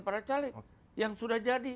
para caleg yang sudah jadi